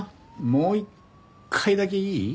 もう一回だけいい？